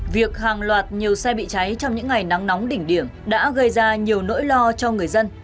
việc hàng loạt nhiều xe bị cháy trong những ngày nắng nóng đỉnh điểm đã gây ra nhiều nỗi lo cho người dân